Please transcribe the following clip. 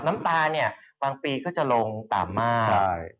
น้ำตาเนี่ยบางปีก็จะลงต่ำมาก